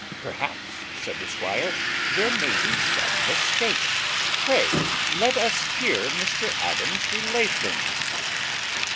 "Perhaps," said the squire, "there may be some mistake! pray let us hear Mr Adams's relation."